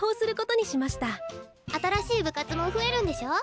新しい部活も増えるんでしょ？